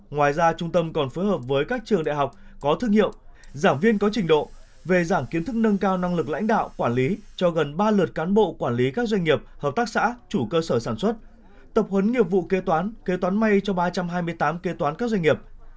ngoài ra trung tâm còn phối hợp với các trường đại học có thương hiệu giảng viên có trình độ về giảng kiến thức nâng cao năng lực lãnh đạo quản lý cho gần ba lượt cán bộ quản lý các doanh nghiệp hợp tác xã chủ cơ sở sản xuất tập huấn nghiệp vụ kê toán kế toán may cho ba trăm hai mươi tám kế toán các doanh nghiệp